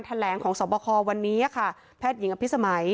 ทแหลงของสอบพระครวันนี้แพทย์หญิงอภิสมัย